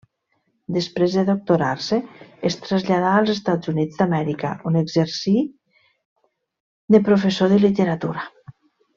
Després de doctorar-se, es traslladà als Estats Units d'Amèrica, on exercí de professor de literatura.